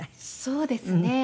そうですね。